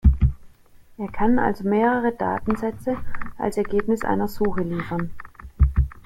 Er kann also mehrere Datensätze als Ergebnis einer Suche liefern.